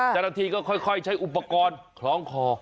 เจ้าหน้าที่ก็ค่อยใช้อุปกรณ์คล้องคอ